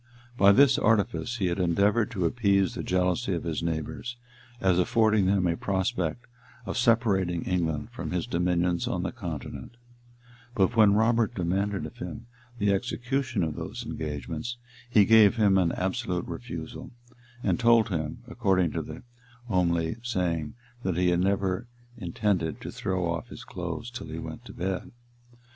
By this artifice, he had endeavored to appease the jealousy of his neighbors, as affording them a prospect of separating England from his dominions on the continent; but when Robert demanded of him the execution of those engagements, he gave him an absolute refusal, and told him, according to the homely saying, that he never intended to throw off his clothes till he went to bed.